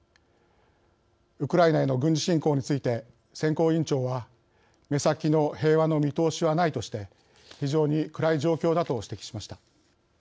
ウクライナへの軍事侵攻について選考委員長は目先の平和の見通しはないとして「非常に暗い状況だ」と指摘しました。